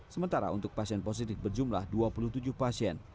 sementara untuk pasien positif berjumlah dua puluh tujuh pasien